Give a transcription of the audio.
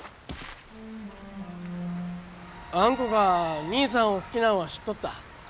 あんこが兄さんを好きなんは知っとった。